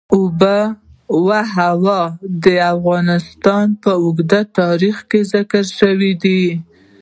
آب وهوا د افغانستان په اوږده تاریخ کې ذکر شوی دی.